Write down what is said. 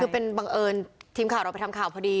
คือเป็นบังเอิญทีมข่าวเราไปทำข่าวพอดี